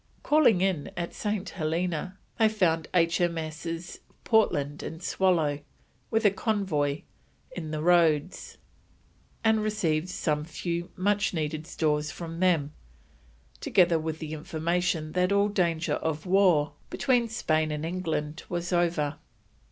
Calling in at St. Helena, they found H.M.Ss. Portland and Swallow, with a convoy, in the roads, and received some few much needed stores from them, together with the information that all danger of war between Spain and England was over.